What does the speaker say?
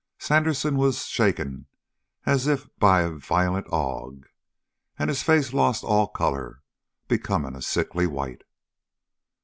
Sandersen was shaken as if by a violent ague, and his face lost all color, becoming a sickly white.